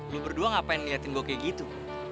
lu berdua ngapain liatin gue kayak gitu